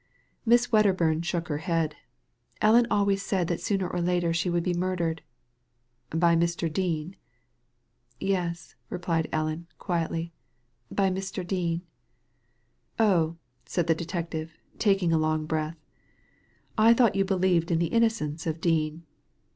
Miss Wedderbum shook her head *' Ellen always said that sooner or later she would be murdered." "By Mr. Dean?" "Yes," replied Edith, quietiy, " by Mr. Dean." *' Oh I " said the detective, taking a long breath. «' I thought you believed in the innocence of Dean."